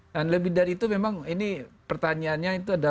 dan lebih dari itu memang ini pertanyaannya itu ada